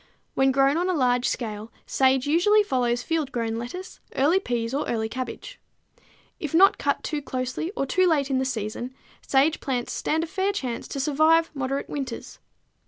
When grown on a large scale, sage usually follows field grown lettuce, early peas or early cabbage. If not cut too closely or too late in the season sage plants stand a fair chance to survive moderate winters.